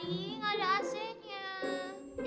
gak ada asinnya